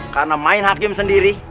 karena main hard game sendiri